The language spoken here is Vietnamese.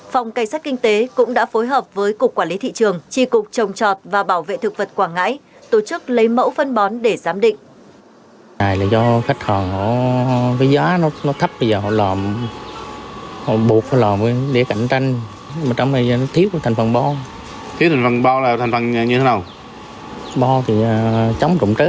phòng cảnh sát kinh tế cũng đã phối hợp với cục quản lý thị trường tri cục trồng trọt và bảo vệ thực vật quảng ngãi tổ chức lấy mẫu phân bón để giám định